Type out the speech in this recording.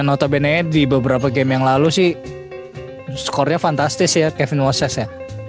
yang notabene di beberapa game yang lalu sih score nya fantastis ya kevin moses ya